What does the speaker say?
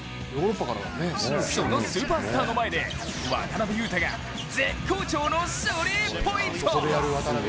そのスーパースターの前で渡邊雄太が絶好調のスリーポイント。